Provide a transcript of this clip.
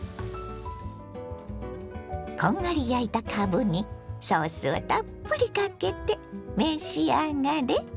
こんがり焼いたかぶにソースをたっぷりかけて召し上がれ！